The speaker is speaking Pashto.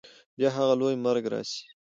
بیا هغه لوی مرګ راسي